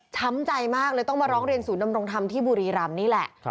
ใจมากเลยต้องมาร้องเรียนศูนยำรงธรรมที่บุรีรำนี่แหละ